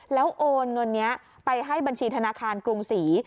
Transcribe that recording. แล้วโอนเงินนี้ไปให้บัญชีธนาคารกรุงศรี